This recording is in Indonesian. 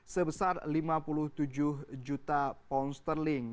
sebesar lima puluh tujuh juta pound sterling